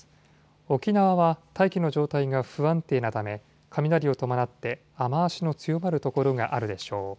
沖縄は大気の状態が不安定なため雷を伴って雨足の強まる所があるでしょう。